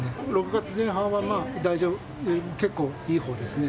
６月前半は結構、いいほうですね。